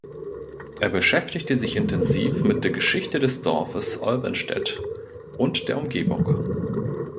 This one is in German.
Er beschäftigte sich intensiv mit der Geschichte des Dorfes Olvenstedt und der Umgebung.